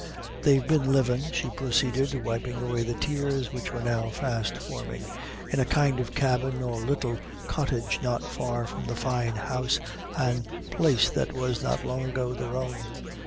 They've been living," she proceeded, wiping away the tears which were now fast flowing, "in a kind of cabin or little cottage not far from the fine house an' place that was not long ago their own.